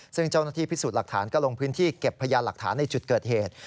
ซึ่งเจ้าหน้าที่พิสูจน์หลักฐานก็ลงพื้นที่เก็บพยานหลักฐานในจุดเกิดเหตุ